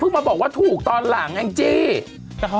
เพิ่งมาบอกว่าถูกตอนหลังอ่ะจริง